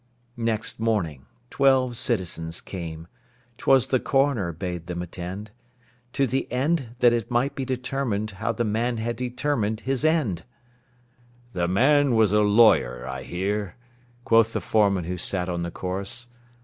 Next morning twelve citizens came ('Twas the coroner bade them attend), To the end that it might be determined How the man had determined his end! "The man was a lawyer, I hear," Quoth the foreman who sat on the corse.